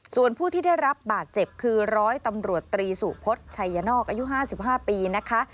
ส่วนผู้ที่ได้รับบาดเจ็บคือร้อยตำรวจตรีสุพชัยนอกอายุ๕๕ปีนะคะ